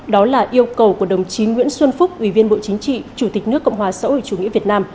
đó là yêu cầu của đồng chí nguyễn xuân phúc ủy viên bộ chính trị chủ tịch nước cộng hòa xã hội chủ nghĩa việt nam